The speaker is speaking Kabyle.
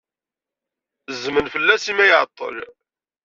Zzmen fell-as imi ay iɛeḍḍel.